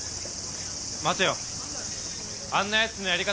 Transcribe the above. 待てよあんなやつのやり方